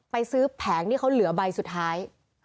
ไปซื้อแผงที่เขาเหลือใบสุดท้าย